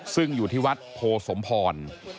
ซึ่งอยู่ที่วัดโพสมพร